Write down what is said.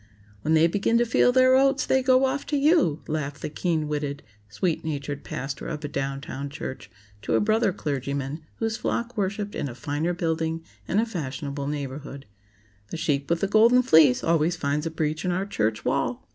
"When they begin to feel their oats they go off to you!" laughed the keen witted, sweet natured pastor of a down town church to a brother clergyman whose flock worshiped in a finer building and a fashionable neighborhood. "The sheep with the golden fleece always finds a breach in our church wall."